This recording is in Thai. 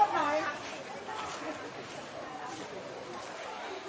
มีแฟนที่เบียบ